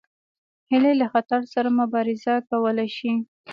هیلۍ له خطر سره مبارزه کولی شي